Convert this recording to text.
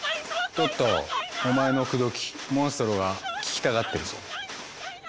トットお前の「くどき」モンストロが聴きたがってるぞ。